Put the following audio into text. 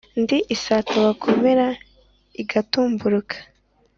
ndi isata bakomera igatumburuka